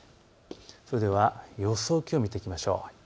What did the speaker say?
それでは予想気温を見ていきましょう。